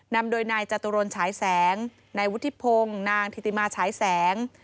นำโดยนายจตุรนฉายแสงนายวุฒิพงศ์นางธิติมาฉายแสง